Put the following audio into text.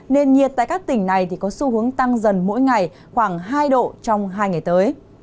nền nhiệt tại các tỉnh này có xu hướng tăng dần mỗi ngày khoảng hai độ trong hai ngày tới